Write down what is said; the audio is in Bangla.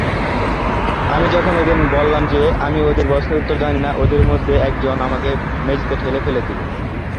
আমি যখন ওদের বললাম যে আমি ওদের প্রশ্নের উত্তর জানি না, ওদের মধ্যে একজন আমাকে মেঝেতে ঠেলে ফেলে দিল।